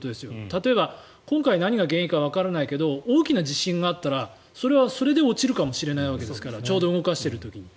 例えば今回、何が原因かわからないけど大きな地震があったらそれで落ちるかもしれないわけですからちょうど動かしている時に。